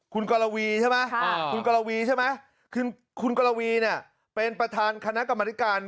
คุณกรวีใช่ไหมคุณกรวีใช่ไหมคือคุณกรวีเนี่ยเป็นประธานคณะกรรมธิการ